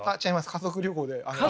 家族旅行で？